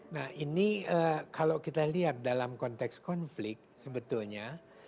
nah ini kalau kita lihat dalam konteks konflik sebetulnya